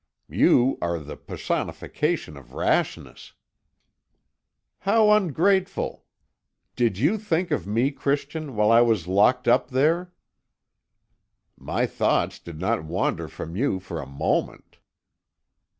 "You are the personification of rashness." "How ungrateful! Did you think of me, Christian, while I was locked up there?" "My thoughts did not wander from you for a moment."